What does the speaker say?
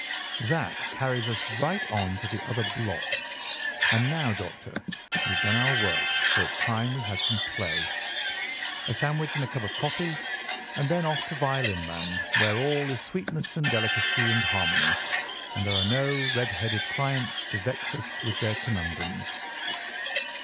That carries us right on to the other block. And now, Doctor, we've done our work, so it's time we had some play. A sandwich and a cup of coffee, and then off to violin land, where all is sweetness and delicacy and harmony, and there are no red headed clients to vex us with their conundrums."